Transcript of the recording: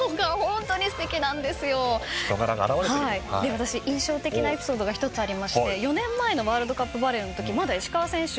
私印象的なエピソードが１つありまして４年前のワールドカップバレーのときまだ石川選手